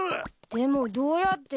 でもどうやって？